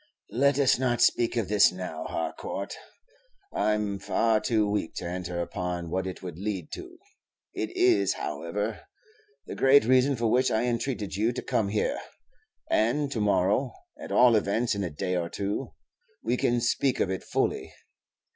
"Let us not speak of this now, Harcourt; I'm far too weak to enter upon what it would lead to. It is, however, the great reason for which I entreated you to come here. And to morrow at all events in a day or two we can speak of it fully.